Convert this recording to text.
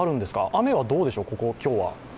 雨はどうでしょう、今日は。